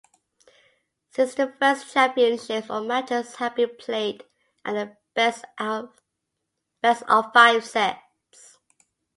Since the first championships, all matches have been played at the best-of-five sets.